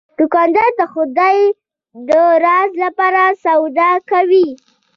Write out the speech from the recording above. دوکاندار د خدای د رضا لپاره سودا کوي.